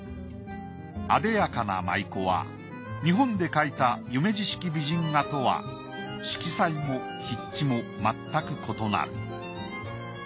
あでやかな舞妓は日本で描いた夢二式美人画とは色彩も筆致もまったく異なる。